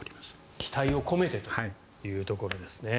期待を込めてというところですね。